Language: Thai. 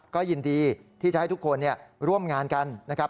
ก็ยินดีที่จะให้ทุกคนร่วมงานกันนะครับ